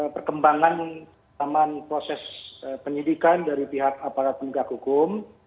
perkembangan zaman proses penyidikan dari pihak aparat penegak hukum